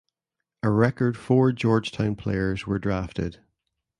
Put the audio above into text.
A record four Georgetown players were drafted.